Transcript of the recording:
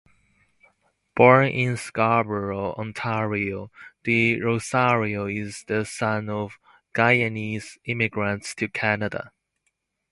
Born in Scarborough, Ontario, De Rosario is the son of Guyanese immigrants to Canada.